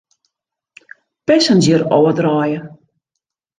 Passenger ôfdraaie.